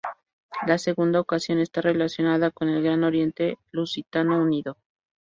La segunda ocasión está relacionada con el Gran Oriente Lusitano Unido.